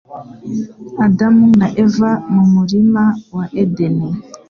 Adamu na Eva mu murima wa Edeni